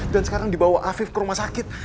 dan sekarang dibawa rafiq ke rumah sakit